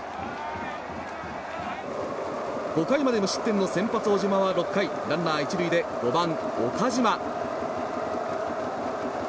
５回まで無失点の先発、小島は６回ランナー１塁で５番、岡島。